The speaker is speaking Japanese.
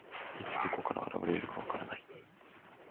いつ、どこから現れるか分からない。